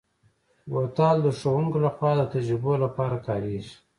بوتل د ښوونکو لخوا د تجربو لپاره کارېږي.